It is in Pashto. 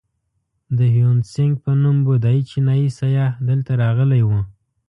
د هیونتسینګ په نوم بودایي چینایي سیاح دلته راغلی و.